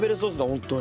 本当に。